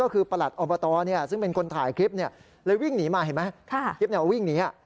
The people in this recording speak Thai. ก็คือประหลัดอบตซึ่งเป็นคนถ่ายคลิปเลยวิ่งหนีมาเห็นไหม